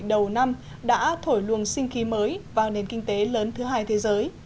đầu năm đã thổi luồng sinh khí mới vào nền kinh tế lớn thứ hai thế giới